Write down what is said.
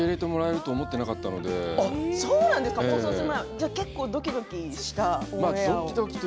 じゃあ、結構ドキドキしたオンエアを。